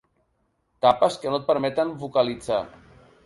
Tapes que no et permeten vocalitzar.